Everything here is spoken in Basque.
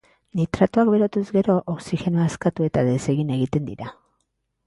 Nitratoak berotuz gero, oxigenoa askatu eta desegin egiten dira.